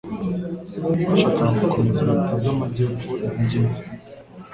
Bashakaga gukomeza leta zamajyepfo intege nke.